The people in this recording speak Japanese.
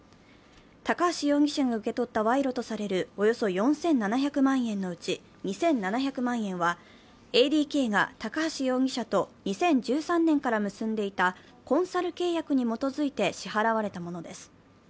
高橋容疑者が受け取った賄賂とされるおよそ４７００万円のうち２７００万円は、ＡＤＫが高橋容疑者と２０１３年から結んでいたコンサル契約に基づいて支払われたものです。